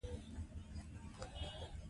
موږ ټول د یوې خاورې بچیان یو.